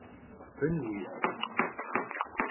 Бын уиӏэ?